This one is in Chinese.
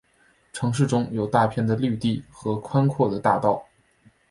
城市中有大片的绿地和宽阔的大道。